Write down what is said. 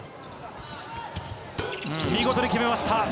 見事に決めました。